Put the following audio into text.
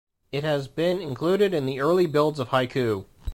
It has been included in the early builds of Haiku.